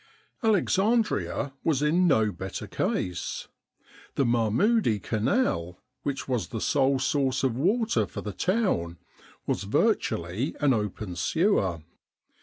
Alexandria was in no better case. The Mahmou dieh Canal, which was the sole source of water for the town, was virtually an open sewer.